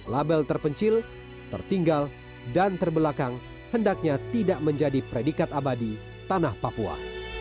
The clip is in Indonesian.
label terpencil tertinggal dan terbelakang hendaknya tidak menjadi predikat abadi tanah papua